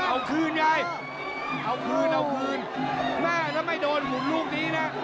เอาคืนยายเอาคืนเอาคืนแม่ถ้าไม่โดนหมุนลูกนี้นะ